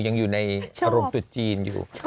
ยังอยู่ในรมตัวจีนอยู่